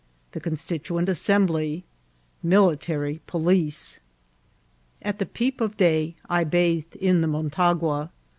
—The Constituent Assembly.— Military Police. At peep of day I bathed in the Motagoa.